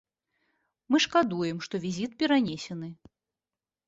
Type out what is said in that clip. Мы шкадуем, што візіт перанесены.